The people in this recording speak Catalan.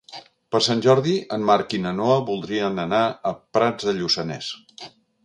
Per Sant Jordi en Marc i na Noa voldrien anar a Prats de Lluçanès.